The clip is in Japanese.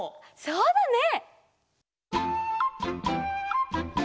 そうだね！